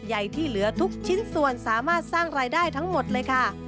ใหญ่ที่เหลือทุกชิ้นส่วนสามารถสร้างรายได้ทั้งหมดเลยค่ะ